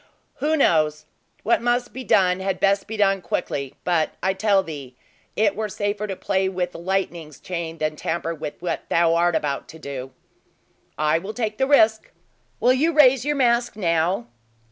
"Who knows! What must be done, had best be done quickly; but I tell thee it were safer to play with the lightning's chain than tamper with what thou art about to do." "I take the risk! Will you raise your mask now?"